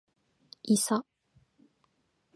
いさ